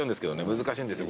難しいんですよ。